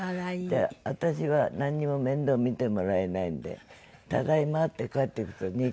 で私はなんにも面倒見てもらえないんで「ただいま」って帰ってくると２階へ上がっちゃう。